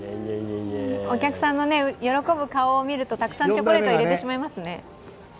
お客さんの喜ぶ顔を見ると、たくさんチョコレートを入れてしまいますね。